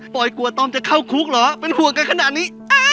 กลัวตอมจะเข้าคุกเหรอเป็นห่วงกันขนาดนี้